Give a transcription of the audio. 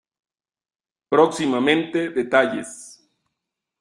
Próximamente detalles.